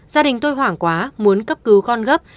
gia đình tôi hoảng quá muốn cấp cứu con gấp